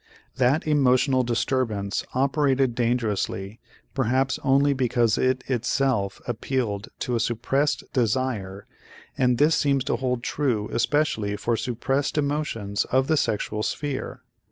That emotional disturbance operated dangerously perhaps only because it itself appealed to a suppressed desire and this seems to hold true especially for suppressed emotions of the sexual sphere.